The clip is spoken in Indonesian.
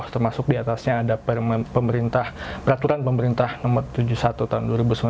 termasuk di atasnya ada peraturan pemerintah nomor tujuh puluh satu tahun dua ribu sembilan belas